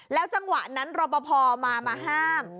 แล้วจังหวะนั้นรปภอมามาห้าม